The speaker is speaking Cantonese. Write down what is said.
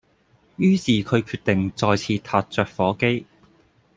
於是佢決定再次撻着火機